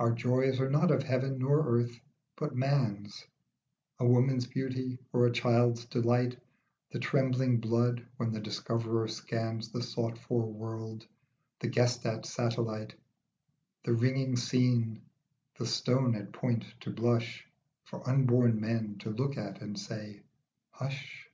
Our joys are not of heaven nor earth, but man's, A woman's beauty, or a child's delight, The trembling blood when the discoverer scans The sought for world, the guessed at satel lite ; The ringing scene, the stone at point to blush For unborn men to look at and say "Hush.'